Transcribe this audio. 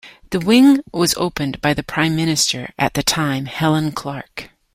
The wing was opened by the Prime Minister at the time, Helen Clark.